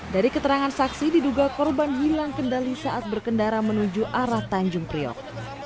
dari keterangan saksi diduga korban hilang kendali saat berkendara menuju arah tanjung priok